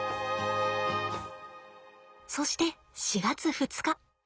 そして４月２日。